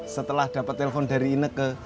setelah dapat telepon dari ineke